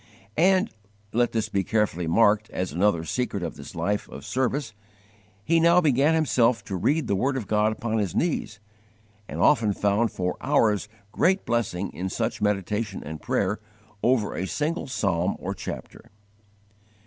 And let this be carefully marked as another secret of this life of service he now began himself to read the word of God upon his knees, and often found for hours great blessing in such meditation and prayer over a single psalm or chapter.